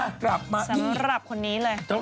กลับมาสำหรับคนนี้เลย